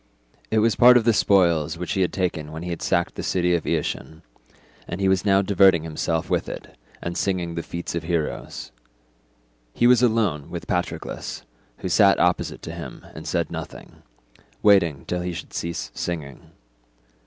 It was part of the spoils which he had taken when he sacked the city of Eetion, and he was now diverting himself with it and singing the feats of heroes. He was alone with Patroclus, who sat opposite to him and said nothing, waiting till he should cease singing.